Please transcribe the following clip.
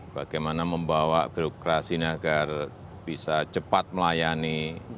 bagaimana membawa birokrasi ini agar bisa cepat melayani